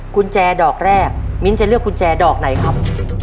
กุญแจดอกแรกมิ้นท์จะเลือกกุญแจดอกไหนครับ